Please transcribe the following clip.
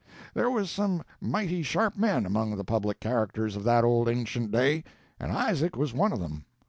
There was some mighty sharp men among the public characters of that old ancient day, and Isaac was one of them.